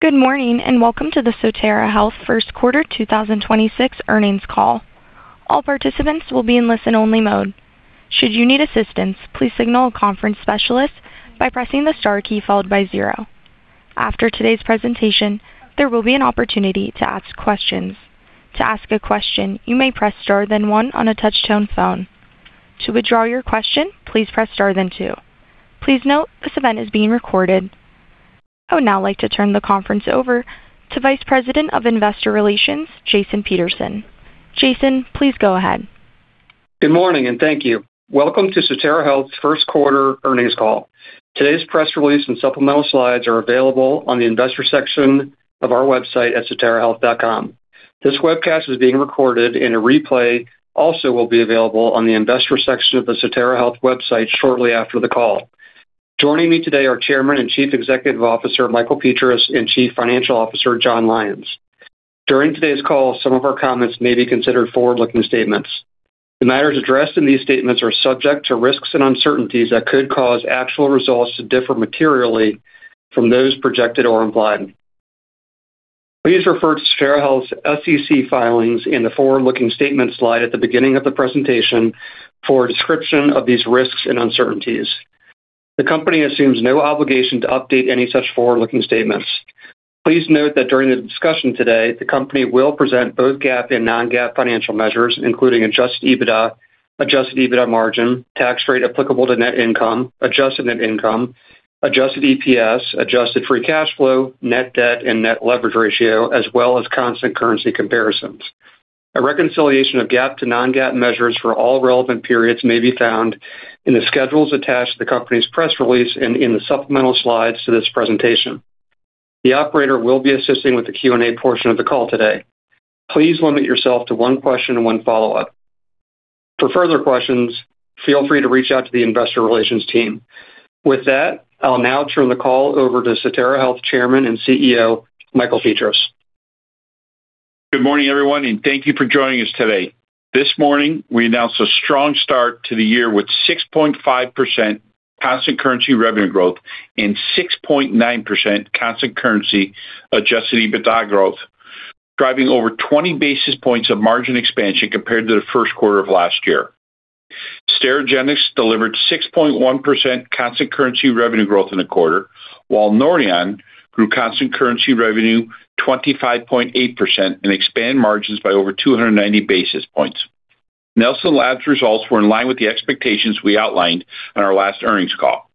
Good morning, welcome to the Sotera Health first quarter 2026 earnings call. All participants will be in listen-only mode. Should you need assistance, please signal a conference specialist by pressing the star key followed by zero. After today's presentation, there will be an opportunity to ask questions. To ask a question, you may press star then one on a Touch-Tone phone. To withdraw your question, please press star then two. Please note, this event is being recorded. I would now like to turn the conference over to Vice President of Investor Relations, Jason Peterson. Jason, please go ahead. Good morning, and thank you. Welcome to Sotera Health's first quarter earnings call. Today's press release and supplemental slides are available on the investor section of our website at soterahealth.com. This webcast is being recorded and a replay also will be available on the investor section of the Sotera Health website shortly after the call. Joining me today are Chairman and Chief Executive Officer, Michael Petras, and Chief Financial Officer, Jon Lyons. During today's call, some of our comments may be considered forward-looking statements. The matters addressed in these statements are subject to risks and uncertainties that could cause actual results to differ materially from those projected or implied. Please refer to Sotera Health's SEC filings and the forward-looking statement slide at the beginning of the presentation for a description of these risks and uncertainties. The company assumes no obligation to update any such forward-looking statements. Please note that during the discussion today, the company will present both GAAP and non-GAAP financial measures, including Adjusted EBITDA, Adjusted EBITDA Margin, tax rate applicable to net income, Adjusted Net Income, Adjusted EPS, Adjusted Free Cash Flow, Net Debt, and Net Leverage Ratio, as well as constant currency comparisons. A reconciliation of GAAP to non-GAAP measures for all relevant periods may be found in the schedules attached to the company's press release and in the supplemental slides to this presentation. The operator will be assisting with the Q&A portion of the call today. Please limit yourself to one question and one follow-up. For further questions, feel free to reach out to the investor relations team. With that, I'll now turn the call over to Sotera Health Chairman and CEO, Michael Petras. Good morning, everyone, and thank you for joining us today. This morning, we announced a strong start to the year with 6.5% constant currency revenue growth and 6.9% constant currency Adjusted EBITDA growth, driving over 20 basis points of margin expansion compared to the first quarter of last year. Sterigenics delivered 6.1% constant currency revenue growth in the quarter, while Nordion grew constant currency revenue 25.8% and expanded margins by over 290 basis points. Nelson Labs results were in line with the expectations we outlined on our last earnings call.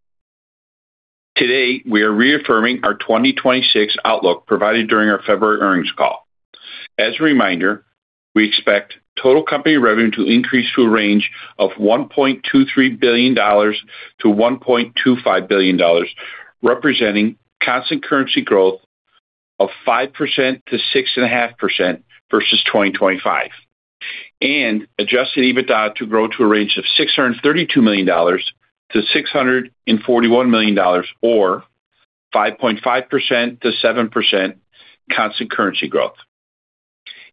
Today, we are reaffirming our 2026 outlook provided during our February earnings call. As a reminder, we expect total company revenue to increase to a range of $1.23 billion-$1.25 billion, representing constant currency growth of 5%-6.5% versus 2025. Adjusted EBITDA to grow to a range of $632 million-$641 million or 5.5%-7% constant currency growth.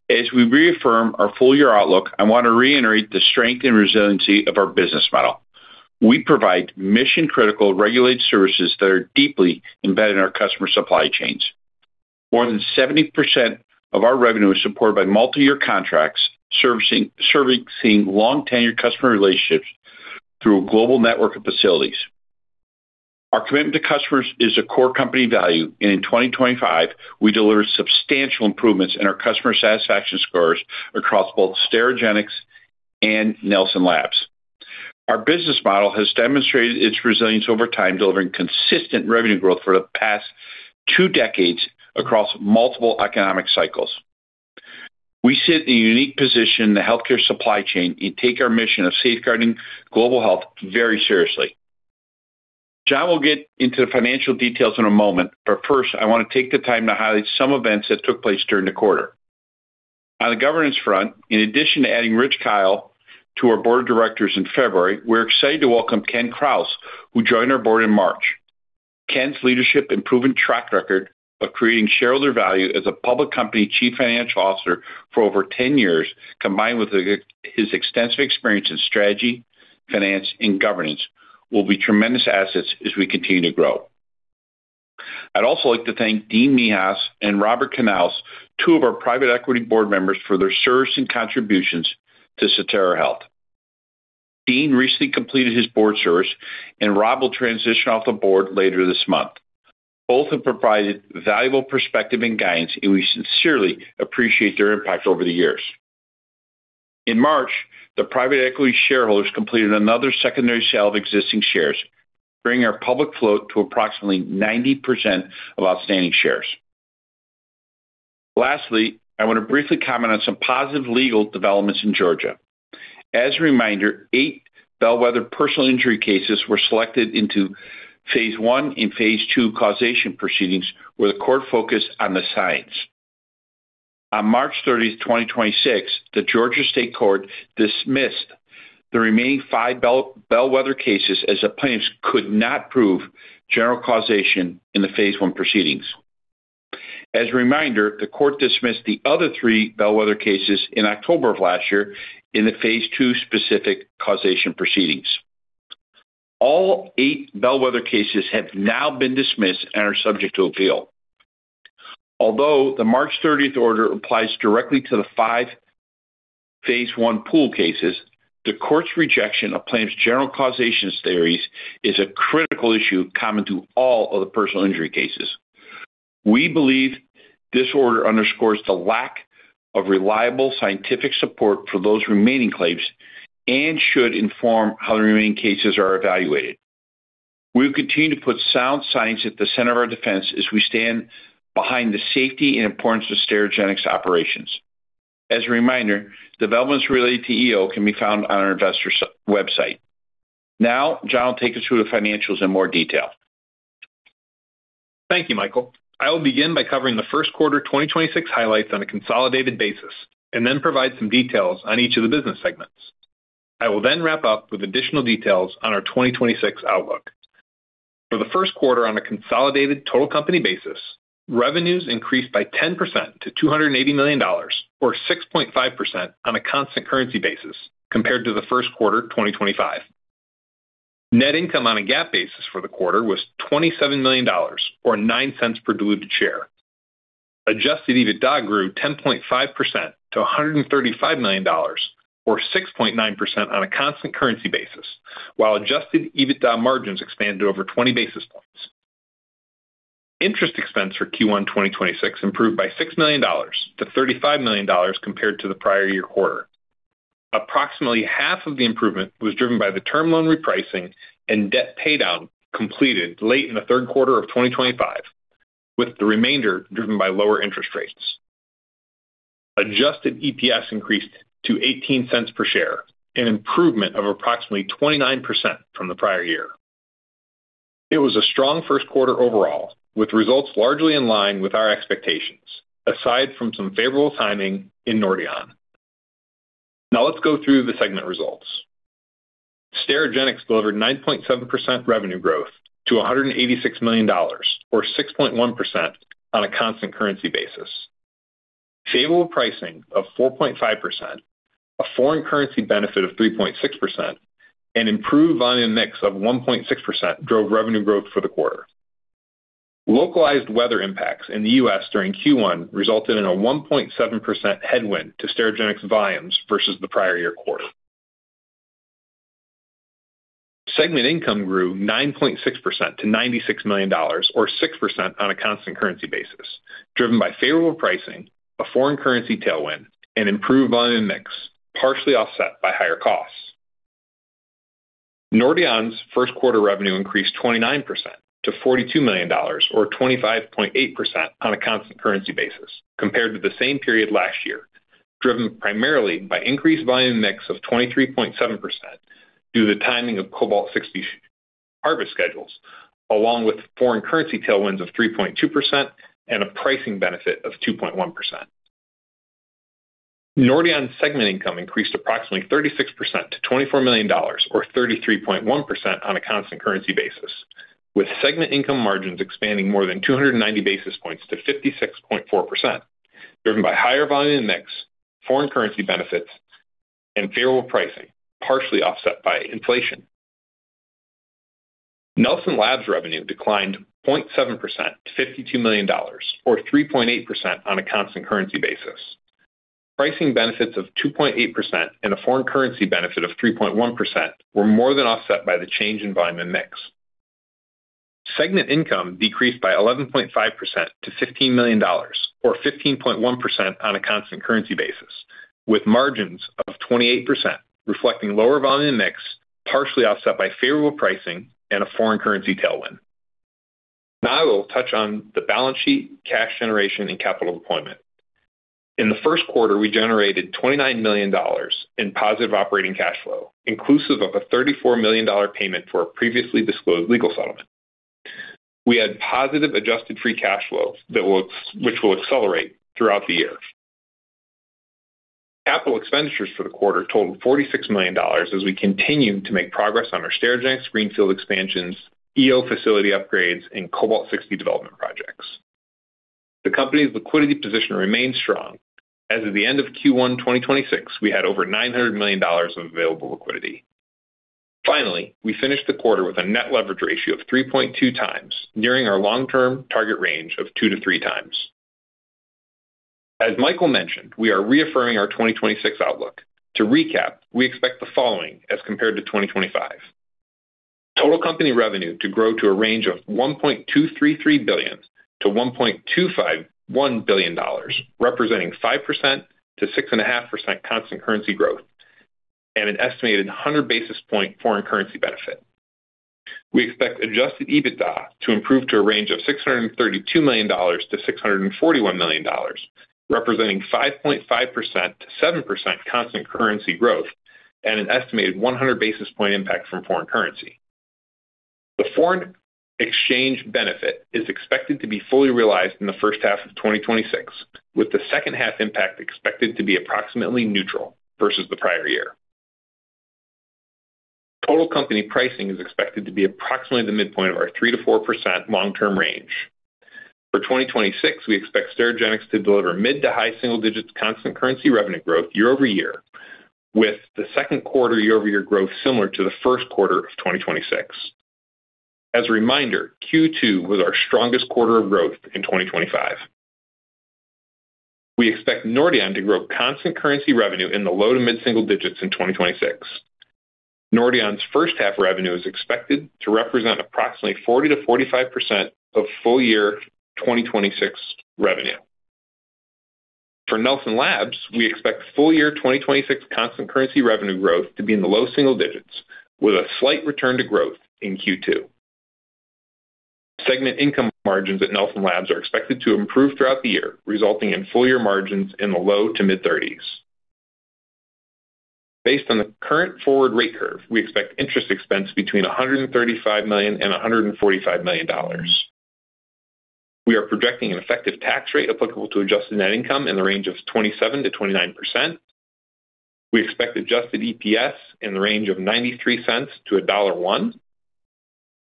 As we reaffirm our full-year outlook, I want to reiterate the strength and resiliency of our business model. We provide mission-critical regulated services that are deeply embedded in our customer supply chains. More than 70% of our revenue is supported by multi-year contracts, servicing long-tenured customer relationships through a global network of facilities. Our commitment to customers is a core company value, and in 2025, we delivered substantial improvements in our customer satisfaction scores across both Sterigenics and Nelson Labs. Our business model has demonstrated its resilience over time, delivering consistent revenue growth for the past two decades across multiple economic cycles. We sit in a unique position in the healthcare supply chain and take our mission of safeguarding global health very seriously. Jon will get into the financial details in a moment, but first, I want to take the time to highlight some events that took place during the quarter. On the governance front, in addition to adding Rich Kyle to our board of directors in February, we're excited to welcome Ken Krause, who joined our board in March. Ken's leadership and proven track record of creating shareholder value as a Public Company Chief Financial Officer for over 10 years, combined with his extensive experience in strategy, finance, and governance, will be tremendous assets as we continue to grow. I'd also like to thank Dean Mihas and Robert Canals, two of our private equity board members, for their service and contributions to Sotera Health. Dean recently completed his board chores, and Rob will transition off the board later this month. Both have provided valuable perspective and guidance, and we sincerely appreciate their impact over the years. In March, the private equity shareholders completed another secondary sale of existing shares, bringing our public float to approximately 90% of outstanding shares. Lastly, I want to briefly comment on some positive legal developments in Georgia. As a reminder, eight bellwether personal injury cases were selected into phase I and phase II causation proceedings, where the court focused on the science. On March 30, 2026, the Georgia State Courts dismissed the remaining five bellwether cases as the plaintiffs could not prove general causation in the phase I proceedings. As a reminder, the court dismissed the other three bellwether cases in October of last year in the phase II specific causation proceedings. All eight bellwether cases have now been dismissed and are subject to appeal. Although the March 30 order applies directly to the five phase I pool cases, the court's rejection of claims general causation theories is a critical issue common to all of the personal injury cases. We believe this order underscores the lack of reliable scientific support for those remaining claims and should inform how the remaining cases are evaluated. We'll continue to put sound science at the center of our defense as we stand behind the safety and importance of Sterigenics operations. As a reminder, developments related to EO can be found on our investor website. Now, Jon will take us through the financials in more detail. Thank you, Michael. I will begin by covering the first quarter 2026 highlights on a consolidated basis, and then provide some details on each of the business segments. I will then wrap up with additional details on our 2026 outlook. For the first quarter on a consolidated total company basis, revenues increased by 10% to $280 million or 6.5% on a constant currency basis compared to the first quarter 2025. Net income on a GAAP basis for the quarter was $27 million or $0.09 per diluted share. Adjusted EBITDA grew 10.5% to $135 million or 6.9% on a constant currency basis, while Adjusted EBITDA margins expanded over 20 basis points. Interest expense for Q1 2026 improved by $6 million to $35 million compared to the prior year quarter. Approximately half of the improvement was driven by the term loan repricing and debt paydown completed late in the third quarter of 2025, with the remainder driven by lower interest rates. Adjusted EPS increased to $0.18 per share, an improvement of approximately 29% from the prior year. It was a strong first quarter overall, with results largely in line with our expectations, aside from some favorable timing in Nordion. Let's go through the segment results. Sterigenics delivered 9.7% revenue growth to $186 million or 6.1% on a constant currency basis. Favorable pricing of 4.5%, a foreign currency benefit of 3.6%, and improved volume mix of 1.6% drove revenue growth for the quarter. Localized weather impacts in the U.S. during Q1 resulted in a 1.7% headwind to Sterigenics volumes versus the prior year quarter. Segment income grew 9.6% to $96 million or 6% on a constant currency basis, driven by favorable pricing, a foreign currency tailwind, and improved volume mix, partially offset by higher costs. Nordion's first quarter revenue increased 29% to $42 million or 25.8% on a constant currency basis compared to the same period last year, driven primarily by increased volume mix of 23.7% due to the timing of Cobalt-60 harvest schedules, along with foreign currency tailwinds of 3.2% and a pricing benefit of 2.1%. Nordion segment income increased approximately 36% to $24 million or 33.1% on a constant currency basis, with segment income margins expanding more than 290 basis points to 56.4%, driven by higher volume in mix, foreign currency benefits, and favorable pricing, partially offset by inflation. Nelson Labs revenue declined 0.7% to $52 million or 3.8% on a constant currency basis. Pricing benefits of 2.8% and a foreign currency benefit of 3.1% were more than offset by the change in volume and mix. Segment income decreased by 11.5% to $15 million or 15.1% on a constant currency basis, with margins of 28% reflecting lower volume and mix, partially offset by favorable pricing and a foreign currency tailwind. I will touch on the balance sheet, cash generation, and capital deployment. In the first quarter, we generated $29 million in positive operating cash flow, inclusive of a $34 million payment for a previously disclosed legal settlement. We had positive Adjusted Free Cash Flow which will accelerate throughout the year. Capital expenditures for the quarter totaled $46 million as we continue to make progress on our Sterigenics greenfield expansions, EO facility upgrades, and Cobalt-60 development projects. The company's liquidity position remains strong. As of the end of Q1 2026, we had over $900 million of available liquidity. Finally, we finished the quarter with a net leverage ratio of 3.2x, nearing our long-term target range of 2x-3x. As Michael mentioned, we are reaffirming our 2026 outlook. To recap, we expect the following as compared to 2025. Total company revenue to grow to a range of $1.233 billion-$1.251 billion, representing 5%-6.5% constant currency growth and an estimated 100 basis point foreign currency benefit. We expect Adjusted EBITDA to improve to a range of $632 million-$641 million, representing 5.5%-7% constant currency growth and an estimated 100 basis point impact from foreign currency. The foreign exchange benefit is expected to be fully realized in the first half of 2026, with the second half impact expected to be approximately neutral versus the prior year. Total company pricing is expected to be approximately the midpoint of our 3%-4% long-term range. For 2026, we expect Sterigenics to deliver mid to high single digits constant currency revenue growth year-over-year, with the second quarter year-over-year growth similar to the first quarter of 2026. As a reminder, Q2 was our strongest quarter of growth in 2025. We expect Nordion to grow constant currency revenue in the low to mid single digits in 2026. Nordion's first half revenue is expected to represent approximately 40%-45% of full year 2026 revenue. For Nelson Labs, we expect full year 2026 constant currency revenue growth to be in the low single digits, with a slight return to growth in Q2. Segment income margins at Nelson Labs are expected to improve throughout the year, resulting in full year margins in the low to mid-30s. Based on the current forward rate curve, we expect interest expense between $135 million and $145 million. We are projecting an effective tax rate applicable to Adjusted Net Income in the range of 27%-29%. We expect Adjusted EPS in the range of $0.93-$1.01.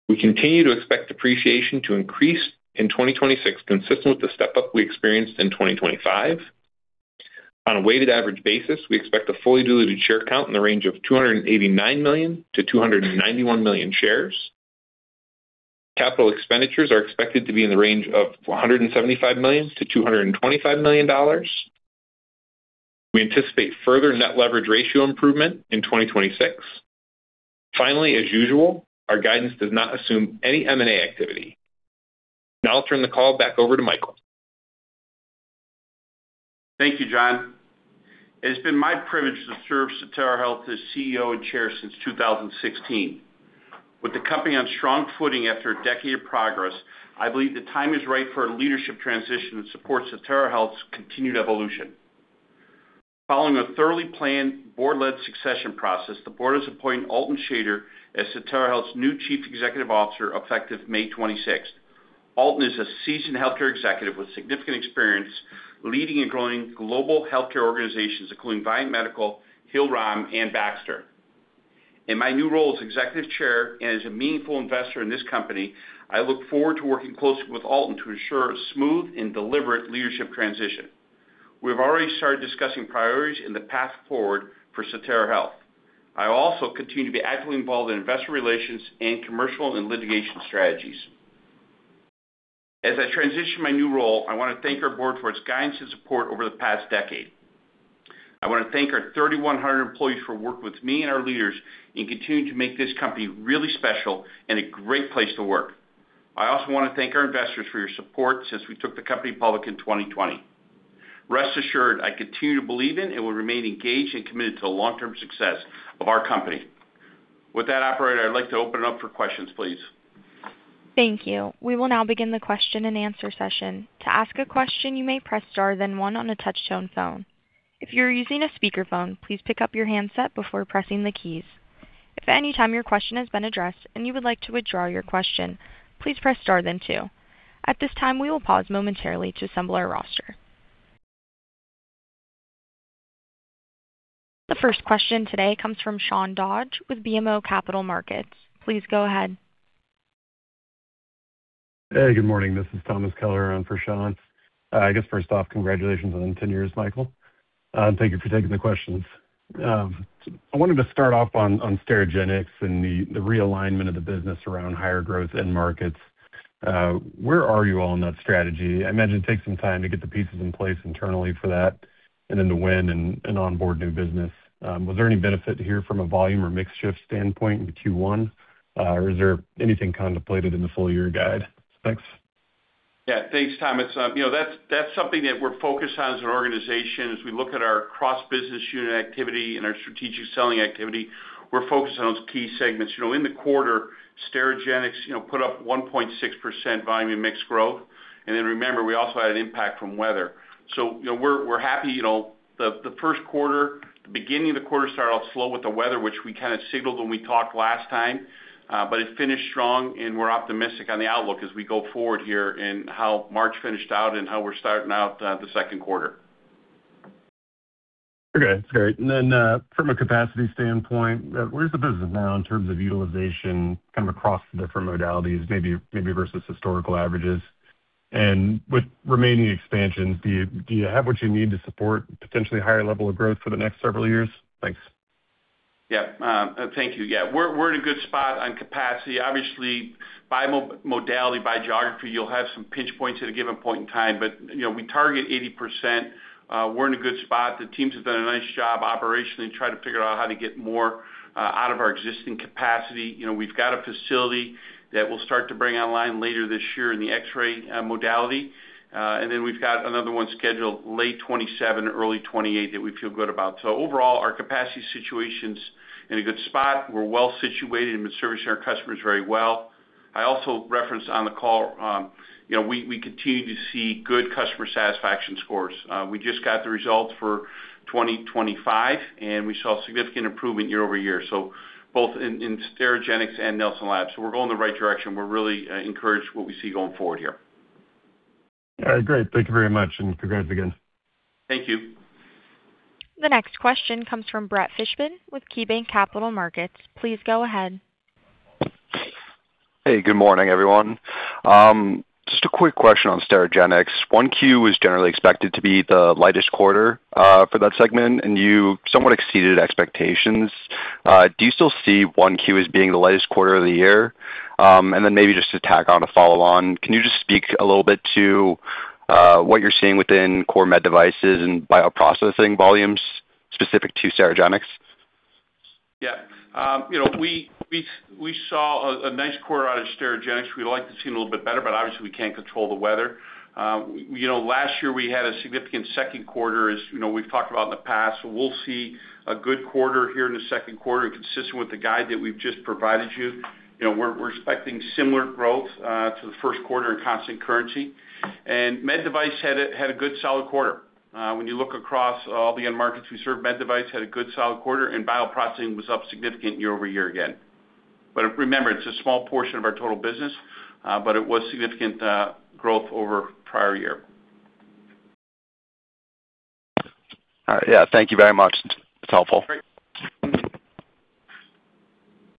We continue to expect depreciation to increase in 2026, consistent with the step-up we experienced in 2025. On a weighted average basis, we expect a fully diluted share count in the range of 289 million-291 million shares. Capital expenditures are expected to be in the range of $175 million-$225 million. We anticipate further Net Leverage Ratio improvement in 2026. Finally, as usual, our guidance does not assume any M&A activity. Now I'll turn the call back over to Michael. Thank you, Jon. It has been my privilege to serve Sotera Health as CEO and Chair since 2016. With the company on strong footing after a decade of progress, I believe the time is right for a leadership transition that supports Sotera Health's continued evolution. Following a thoroughly planned board-led succession process, the board is appointing Alton Shader as Sotera Health's new Chief Executive Officer, effective May 26th. Alton is a seasoned healthcare executive with significant experience leading and growing global healthcare organizations, including Viamedical, Hill-Rom, and Baxter. In my new role as Executive Chair and as a meaningful investor in this company, I look forward to working closely with Alton to ensure a smooth and deliberate leadership transition. We have already started discussing priorities and the path forward for Sotera Health. I also continue to be actively involved in investor relations and commercial and litigation strategies. As I transition my new role, I want to thank our board for its guidance and support over the past decade. I want to thank our 3,100 employees for working with me and our leaders in continuing to make this company really special and a great place to work. I also want to thank our investors for your support since we took the company public in 2020. Rest assured, I continue to believe in and will remain engaged and committed to the long-term success of our company. With that operator, I'd like to open it up for questions, please. Thank you. We will now begin the question-and-answer session. To ask a question, you may press star, then one on the Touch-Tone phone. If you're using a speakerphone, please pick up your handset before pressing the keys. If at any time your question has been addressed and you would like to withdraw your question, please press star then two. At this time, we will pause momentarily to assemble our roster. The first question today comes from Sean Dodge with BMO Capital Markets. Please go ahead. Hey, good morning. This is Thomas Keller in for Sean. I guess first off, congratulations on the 10 years, Michael, and thank you for taking the questions. I wanted to start off on Sterigenics and the realignment of the business around higher growth end markets. Where are you all in that strategy? I imagine it takes some time to get the pieces in place internally for that and then to win and onboard new business. Was there any benefit here from a volume or mix shift standpoint in Q1? Is there anything contemplated in the full year guide? Thanks. Yeah. Thanks, Thomas. You know, that's something that we're focused on as an organization. As we look at our cross-business unit activity and our strategic selling activity, we're focused on those key segments. You know, in the quarter, Sterigenics, you know, put up 1.6% volume in mix growth. Remember, we also had an impact from weather. You know, we're happy. You know, the first quarter, the beginning of the quarter started off slow with the weather, which we kind of signaled when we talked last time. It finished strong, and we're optimistic on the outlook as we go forward here and how March finished out and how we're starting out, the second quarter. Okay, great. Then, from a capacity standpoint, where's the business now in terms of utilization kind of across the different modalities, maybe versus historical averages? With remaining expansions, do you have what you need to support potentially higher level of growth for the next several years? Thanks. Thank you. We're in a good spot on capacity. Obviously, by modality, by geography, you'll have some pinch points at a given point in time. You know, we target 80%. We're in a good spot. The teams have done a nice job operationally in trying to figure out how to get more out of our existing capacity. You know, we've got a facility that we'll start to bring online later this year in the X-Ray modality. Then we've got another one scheduled late 2027, early 2028 that we feel good about. Overall, our capacity situation's in a good spot. We're well-situated and been servicing our customers very well. I also referenced on the call, you know, we continue to see good customer satisfaction scores. We just got the results for 2025, we saw significant improvement year-over-year, both in Sterigenics and Nelson Labs. We're going the right direction. We're really encouraged what we see going forward here. All right, great. Thank you very much, and congrats again. Thank you. The next question comes from Brett Fishbin with KeyBanc Capital Markets. Please go ahead. Good morning, everyone. Just a quick question on Sterigenics. 1Q is generally expected to be the lightest quarter for that segment, and you somewhat exceeded expectations. Do you still see 1Q as being the lightest quarter of the year? Maybe just to tack on a follow on, can you just speak a little bit to what you're seeing within core med devices and bioprocessing volumes specific to Sterigenics? Yeah. You know, we saw a nice quarter out of Sterigenics. We'd like to see a little bit better, but obviously, we can't control the weather. You know, last year we had a significant second quarter, as, you know, we've talked about in the past. We'll see a good quarter here in the second quarter consistent with the guide that we've just provided you. You know, we're expecting similar growth to the first quarter in constant currency. Med device had a good solid quarter. When you look across all the end markets we serve, med device had a good solid quarter, and bioprocessing was up significant year-over-year again. Remember, it's a small portion of our total business, but it was significant growth over prior year. All right. Yeah. Thank you very much. It is helpful. Great.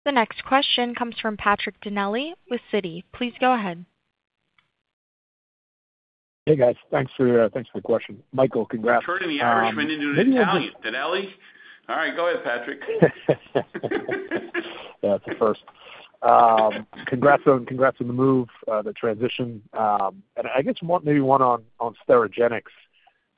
The next question comes from Patrick Donnelly with Citi. Please go ahead. Hey, guys. Thanks for the question. Michael, congrats. We're turning the Irishman into an Italian. Donnelly? All right, go ahead, Patrick. Yeah, it's a first. Congrats on the move, the transition. I guess maybe one on Sterigenics.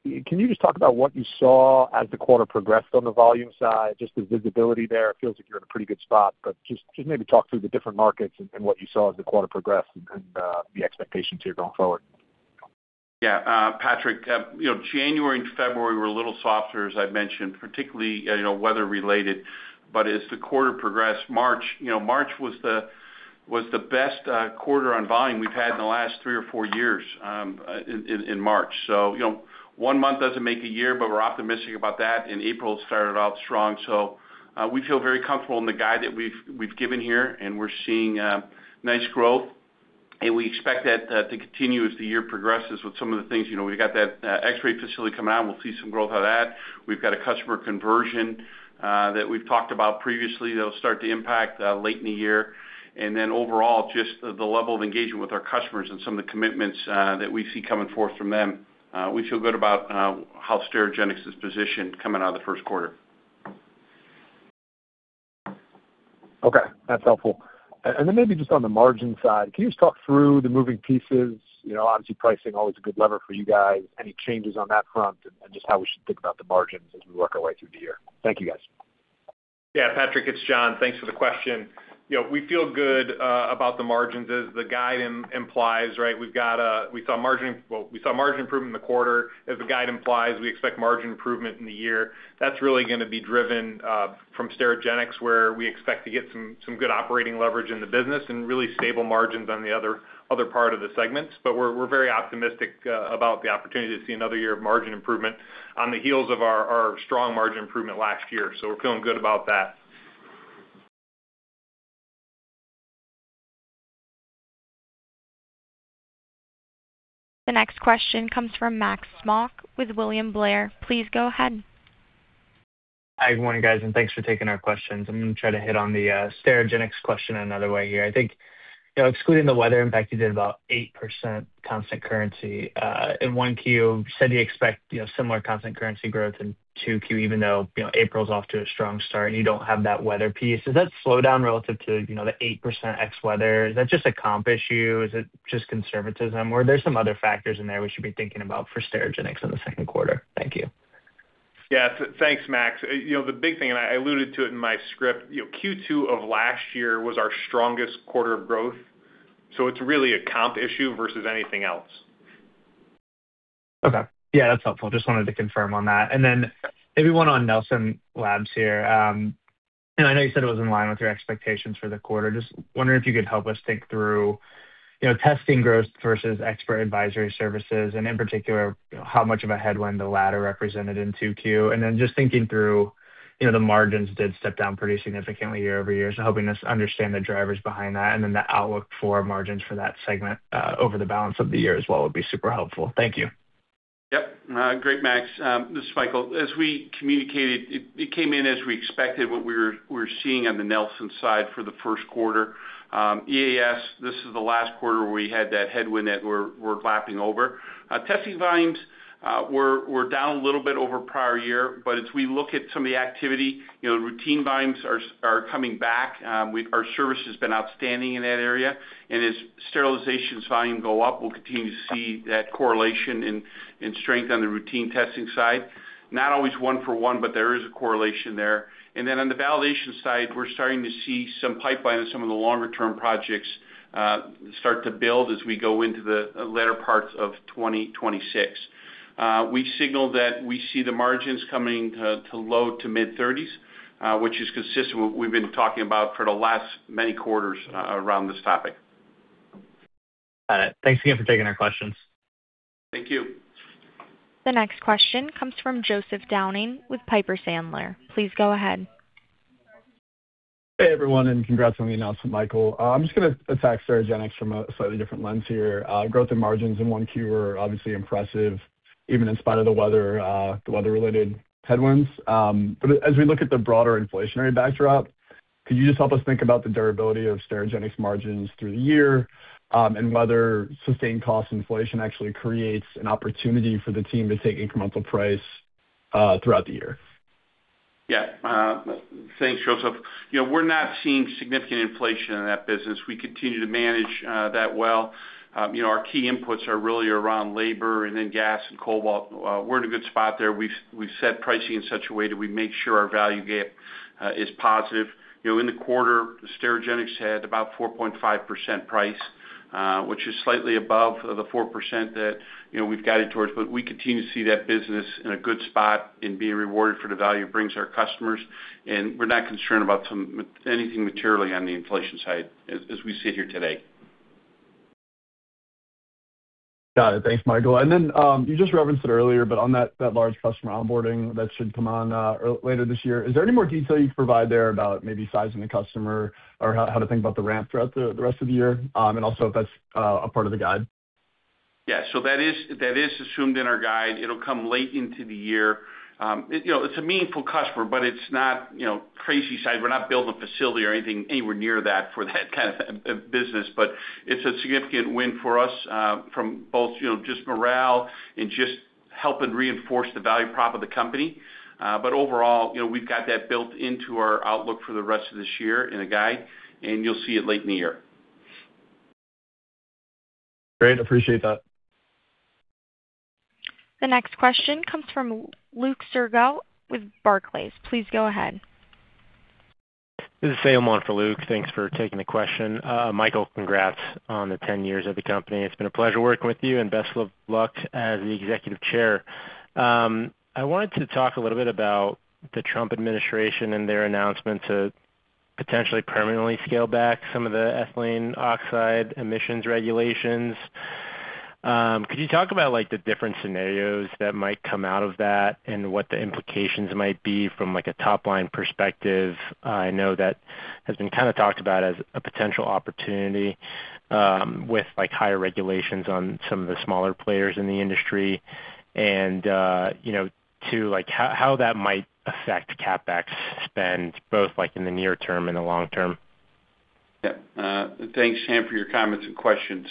Can you just talk about what you saw as the quarter progressed on the volume side, just the visibility there? It feels like you're in a pretty good spot, but just maybe talk through the different markets and what you saw as the quarter progressed and the expectations here going forward. Patrick, you know, January and February were a little softer, as I mentioned, particularly, you know, weather related. As the quarter progressed, March, you know, March was the best quarter on volume we've had in the last three or four years in March. You know, one month doesn't make a year, but we're optimistic about that, and April started off strong. We feel very comfortable in the guide that we've given here, and we're seeing nice growth. We expect that to continue as the year progresses with some of the things. You know, we've got that X-Ray facility coming out, and we'll see some growth out of that. We've got a customer conversion that we've talked about previously that'll start to impact late in the year. Overall, just the level of engagement with our customers and some of the commitments that we see coming forth from them, we feel good about how Sterigenics is positioned coming out of the first quarter. Okay, that's helpful. Then maybe just on the margin side, can you just talk through the moving pieces? You know, obviously, pricing always a good lever for you guys. Any changes on that front and just how we should think about the margins as we work our way through the year? Thank you, guys. Yeah, Patrick, it's Jon. Thanks for the question. You know, we feel good about the margins as the guide implies, right? Well, we saw margin improvement in the quarter. As the guide implies, we expect margin improvement in the year. That's really gonna be driven from Sterigenics, where we expect to get some good operating leverage in the business and really stable margins on the other part of the segments. We're very optimistic about the opportunity to see another year of margin improvement on the heels of our strong margin improvement last year. We're feeling good about that. The next question comes from Max Smock with William Blair. Please go ahead. Hi, good morning, guys, and thanks for taking our questions. I'm gonna try to hit on the Sterigenics question another way here. I think, you know, excluding the weather impact, you did about 8% constant currency in 1Q. You said you expect, you know, similar constant currency growth in 2Q, even though, you know, April's off to a strong start and you don't have that weather piece. Does that slow down relative to, you know, the 8% ex-weather? Is that just a comp issue? Is it just conservatism? Are there some other factors in there we should be thinking about for Sterigenics in the second quarter? Thank you. Yeah. Thanks, Max. You know, the big thing, and I alluded to it in my script, you know, Q2 of last year was our strongest quarter of growth, so it's really a comp issue versus anything else. Okay. Yeah, that's helpful. Just wanted to confirm on that. Then maybe one on Nelson Labs here. I know you said it was in line with your expectations for the quarter. Just wondering if you could help us think through, you know, testing growth versus expert advisory services, and in particular, how much of a headwind the latter represented in 2Q. Then just thinking through, you know, the margins did step down pretty significantly year-over-year, so helping us understand the drivers behind that and then the outlook for margins for that segment over the balance of the year as well would be super helpful. Thank you. Yep. Great, Max. This is Michael. As we communicated, it came in as we expected, what we were seeing on the Nelson side for the first quarter. EAS, this is the last quarter where we had that headwind that we're lapping over. Testing volumes were down a little bit over prior year, as we look at some of the activity, you know, routine volumes are coming back. Our service has been outstanding in that area. As sterilizations volume go up, we'll continue to see that correlation and strength on the routine testing side. Not always one for one, there is a correlation there. On the validation side, we're starting to see some pipeline on some of the longer term projects start to build as we go into the latter parts of 2026. We signaled that we see the margins coming to low to mid 30s, which is consistent with what we've been talking about for the last many quarters around this topic. Got it. Thanks again for taking our questions. Thank you. The next question comes from Joseph Downing with Piper Sandler. Please go ahead. Hey everyone, congrats on the announcement, Michael. I'm just gonna attack Sterigenics from a slightly different lens here. Growth and margins in 1Q were obviously impressive even in spite of the weather, the weather-related headwinds. As we look at the broader inflationary backdrop, could you just help us think about the durability of Sterigenics margins through the year, and whether sustained cost inflation actually creates an opportunity for the team to take incremental price throughout the year? Yeah. Thanks, Joseph. You know, we're not seeing significant inflation in that business. We continue to manage that well. You know, our key inputs are really around labor and then gas and cobalt. We're in a good spot there. We've set pricing in such a way that we make sure our value gap is positive. You know, in the quarter, Sterigenics had about 4.5% price, which is slightly above the 4% that, you know, we've guided towards, but we continue to see that business in a good spot and being rewarded for the value it brings our customers. We're not concerned about anything materially on the inflation side as we sit here today. Got it. Thanks, Michael. You just referenced it earlier, but on that large customer onboarding that should come on later this year, is there any more detail you can provide there about maybe sizing the customer or how to think about the ramp throughout the rest of the year, and also if that's a part of the guide? Yeah. That is assumed in our guide. It'll come late into the year. You know, it's a meaningful customer, but it's not, you know, crazy size. We're not building a facility or anything anywhere near that for that kind of business. It's a significant win for us, from both, you know, just morale and just helping reinforce the value prop of the company. Overall, you know, we've got that built into our outlook for the rest of this year in the guide, and you'll see it late in the year. Great. Appreciate that. The next question comes from Luke Sergott with Barclays. Please go ahead. This is Sam on for Luke. Thanks for taking the question. Michael, congrats on the 10 years at the company. It's been a pleasure working with you, and best of luck as the Executive Chair. I wanted to talk a little bit about the Trump administration and their announcement to potentially permanently scale back some of the ethylene oxide emissions regulations. Could you talk about the different scenarios that might come out of that and what the implications might be from a top-line perspective? I know that has been kind of talked about as a potential opportunity with higher regulations on some of the smaller players in the industry. You know, two, how that might affect CapEx spend both in the near term and the long term. Yeah. Thanks, Sam, for your comments and questions.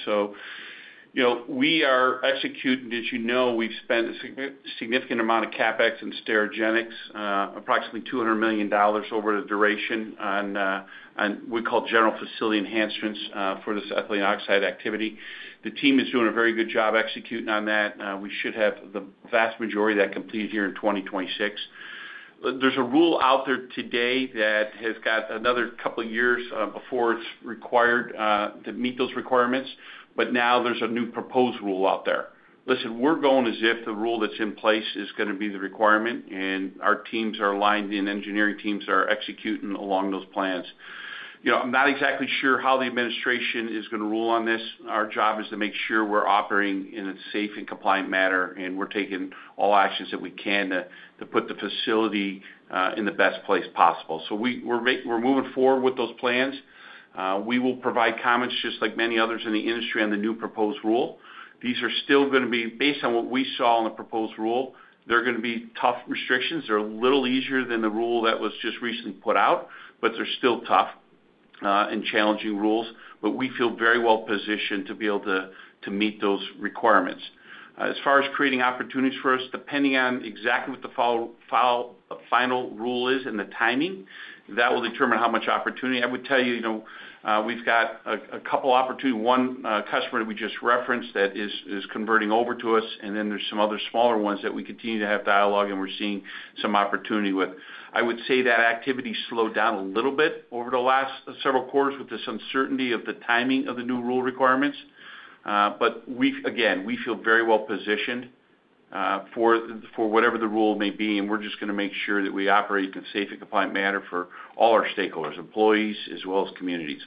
You know, we are executing. As you know, we've spent a significant amount of CapEx in Sterigenics, approximately $200 million over the duration on we call general facility enhancements for this ethylene oxide activity. The team is doing a very good job executing on that. We should have the vast majority of that completed here in 2026. There's a rule out there today that has got another couple of years before it's required to meet those requirements, now there's a new proposed rule out there. Listen, we're going as if the rule that's in place is gonna be the requirement, our teams are aligned, engineering teams are executing along those plans. You know, I'm not exactly sure how the administration is gonna rule on this. Our job is to make sure we're operating in a safe and compliant manner, and we're taking all actions that we can to put the facility in the best place possible. We're moving forward with those plans. We will provide comments just like many others in the industry on the new proposed rule. These are still gonna be based on what we saw in the proposed rule. They're gonna be tough restrictions. They're a little easier than the rule that was just recently put out, but they're still tough and challenging rules. We feel very well-positioned to be able to meet those requirements. As far as creating opportunities for us, depending on exactly what the final rule is and the timing, that will determine how much opportunity. I would tell you know, we've got a couple opportunity. One, customer that we just referenced that is converting over to us, then there's some other smaller ones that we continue to have dialogue and we're seeing some opportunity with. I would say that activity slowed down a little bit over the last several quarters with this uncertainty of the timing of the new rule requirements. Again, we feel very well-positioned for whatever the rule may be, we're just gonna make sure that we operate in a safe and compliant manner for all our stakeholders, employees as well as communities.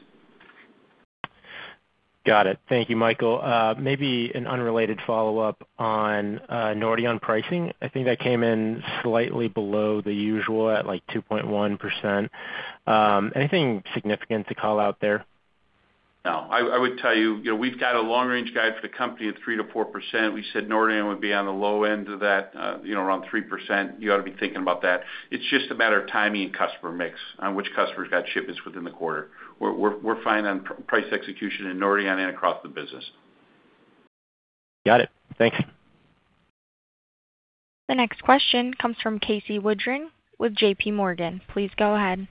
Got it. Thank you, Michael. Maybe an unrelated follow-up on Nordion pricing. I think that came in slightly below the usual at, like, 2.1%. Anything significant to call out there? No. I would tell you know, we've got a long-range guide for the company at 3%-4%. We said Nordion would be on the low end of that, you know, around 3%. You ought to be thinking about that. It's just a matter of timing and customer mix on which customers got shipments within the quarter. We're fine on price execution in Nordion and across the business. Got it. Thanks. The next question comes from Casey Woodring with JPMorgan. Please go ahead.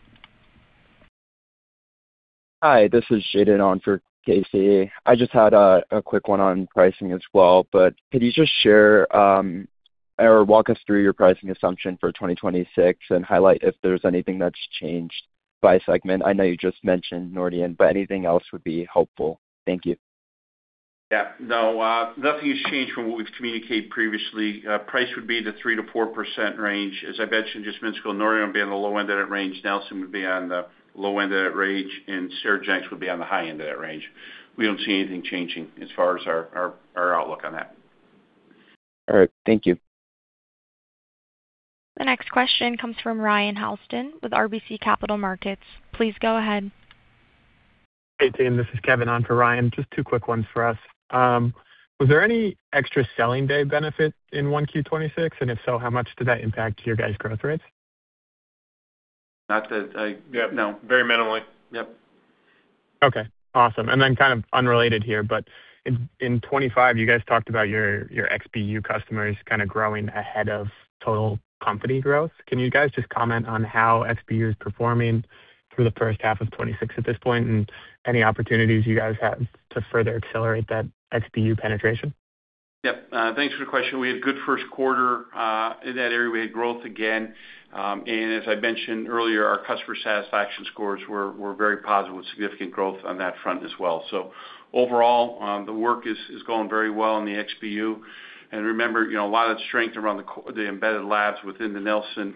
Hi, this is Shayden on for Casey. I just had a quick one on pricing as well. Could you just share or walk us through your pricing assumption for 2026 and highlight if there's anything that's changed by segment? I know you just mentioned Nordion, anything else would be helpful. Thank you. Yeah. No, nothing has changed from what we've communicated previously. Price would be the 3%-4% range. As I mentioned just a minute ago, Nordion would be on the low end of that range. Nelson would be on the low end of that range, and Sterigenics would be on the high end of that range. We don't see anything changing as far as our, our outlook on that. All right. Thank you. The next question comes from Ryan Houston with RBC Capital Markets. Please go ahead. Hey, team. This is Kevin on for Ryan. Just two quick ones for us. Was there any extra selling day benefit in 1Q 2026? If so, how much did that impact your guys' growth rates? Not that I- Yep. No. Very minimally. Yep. Okay. Awesome. Kind of unrelated here, but in 2025 you guys talked about your XBU customers kind of growing ahead of total company growth. Can you guys just comment on how XBU is performing through the first half of 2026 at this point and any opportunities you guys have to further accelerate that XBU penetration? Yep. Thanks for the question. We had good first quarter in that area. We had growth again. As I mentioned earlier, our customer satisfaction scores were very positive with significant growth on that front as well. Overall, the work is going very well in the XBU. Remember, you know, a lot of the strength around the embedded labs within the Nelson,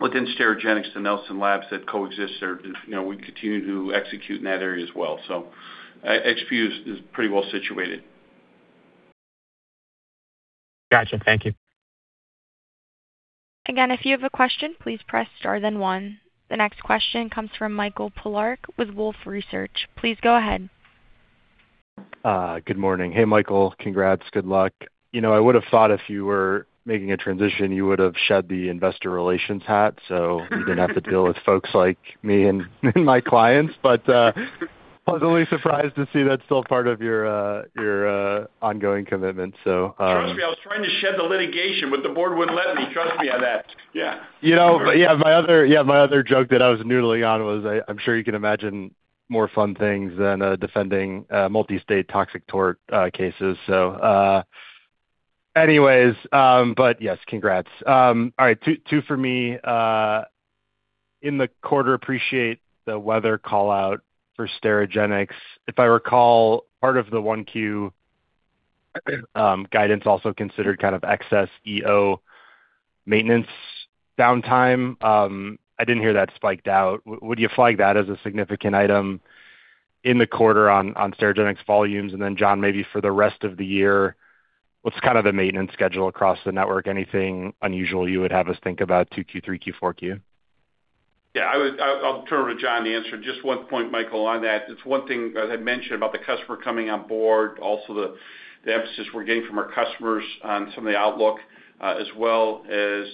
within Sterigenics, the Nelson Labs that coexist there, you know, we continue to execute in that area as well. XBU is pretty well situated. Gotcha. Thank you. Again, if you have a question, please press star then one. The next question comes from Michael Polark with Wolfe Research. Please go ahead. Good morning. Hey, Michael. Congrats. Good luck. You know, I would have thought if you were making a transition, you would have shed the investor relations hat, so you didn't have to deal with folks like me and my clients. Pleasantly surprised to see that's still part of your ongoing commitment. Trust me, I was trying to shed the litigation. The board wouldn't let me. Trust me on that. Yeah. You know, my other, my other joke that I was noodling on was I'm sure you can imagine more fun things than defending multi-state toxic tort cases. Anyways, yes, congrats. All right, two for me. In the quarter, appreciate the weather call-out for Sterigenics. If I recall, part of the 1Q guidance also considered kind of excess EO maintenance downtime. I didn't hear that spiked out. Would you flag that as a significant item in the quarter on Sterigenics volumes? Jon, maybe for the rest of the year, what's kind of the maintenance schedule across the network? Anything unusual you would have us think about 2Q, 3Q, 4Q? Yeah, I'll turn to Jon to answer. Just one point, Michael, on that. It's one thing as I mentioned about the customer coming on board, also the emphasis we're getting from our customers on some of the outlook, as well as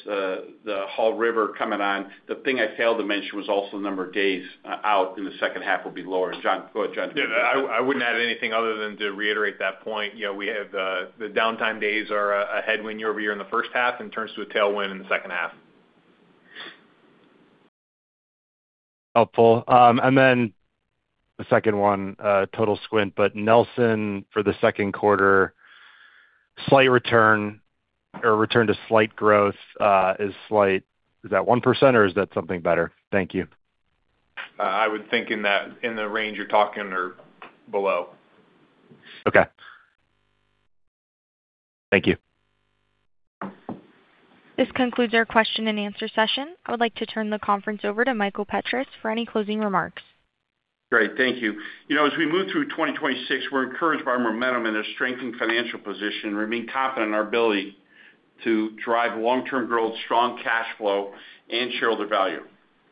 the Haw River coming on. The thing I failed to mention was also the number of days out in the second half will be lower. Jon, go ahead, Jon. Yeah. I wouldn't add anything other than to reiterate that point. You know, we have the downtime days are a headwind year-over-year in the first half and turns to a tailwind in the second half. Helpful. The second one, total squint, but Nelson for the second quarter, slight return or return to slight growth, is slight. Is that 1% or is that something better? Thank you. I would think in the range you're talking or below. Okay. Thank you. This concludes our question-and-answer session. I would like to turn the conference over to Michael Petras for any closing remarks. Great. Thank you. You know, as we move through 2026, we're encouraged by our momentum and a strengthened financial position. We remain confident in our ability to drive long-term growth, strong cash flow, and shareholder value.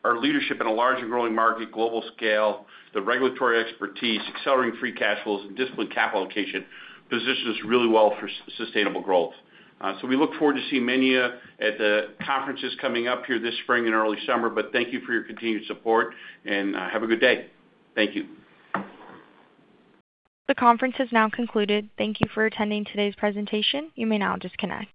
Our leadership in a large and growing market, global scale, the regulatory expertise, accelerating free cash flows and disciplined capital allocation positions us really well for sustainable growth. We look forward to seeing many of you at the conferences coming up here this spring and early summer, thank you for your continued support and, have a good day. Thank you. The conference has now concluded. Thank you for attending today's presentation. You may now disconnect.